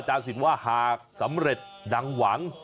สินว่าหากสำเร็จดังหวัง